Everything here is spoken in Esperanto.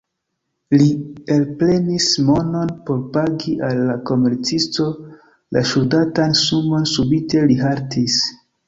Li elprenis monon, por pagi al la komercisto la ŝuldatan sumon, subite li haltis.